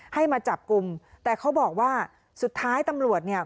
ให้มาจับกลุ่มแต่เขาบอกว่าสุดท้ายตำรวจเนี่ย